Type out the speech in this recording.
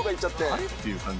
あれっていう感じ。